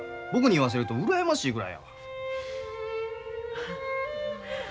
僕に言わせると羨ましいぐらいやわ。